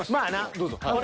どうぞ。